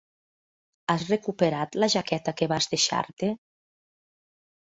Has recuperat la jaqueta que vas deixar-te?